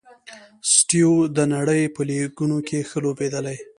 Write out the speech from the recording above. سټیو و د نړۍ په لیګونو کښي لوبېدلی.